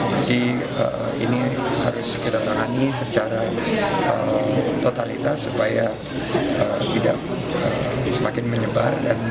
jadi ini harus kita tangani secara totalitas supaya tidak semakin menyebar